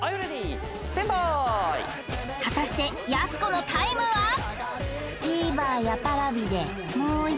果たしてやす子のタイムは？